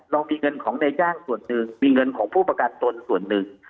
เรามีเงินของนายจ้างส่วนหนึ่งมีเงินของผู้ประกันตนส่วนหนึ่ง